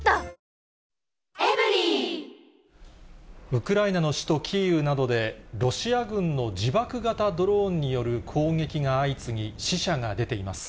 ウクライナの首都キーウなどで、ロシア軍の自爆型ドローンによる攻撃が相次ぎ、死者が出ています。